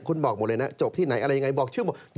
คุณบอกหมดเลยนะจบที่ไหนอะไรยังไงบอกชื่อหมด